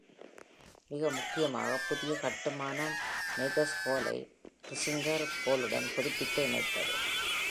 மிக முக்கியமாக, புதிய கட்டுமானம், மெகெர்ஸ் ஹாலை, ரிட்ஸிங்கர் ஹாலுடன் புதுப்பித்து இணைத்தது.